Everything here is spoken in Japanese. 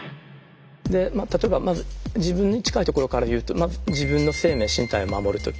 例えばまず自分に近いところからいうと自分の生命身体を守るとき。